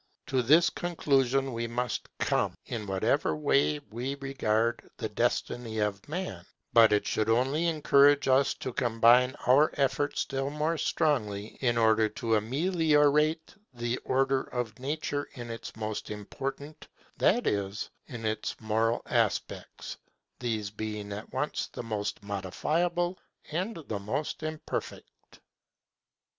To this conclusion we must come, in whatever way we regard the destiny of Man; but it should only encourage us to combine our efforts still more strongly in order to ameliorate the order of Nature in its most important, that is, in its moral aspects, these being at once the most modifiable and the most imperfect.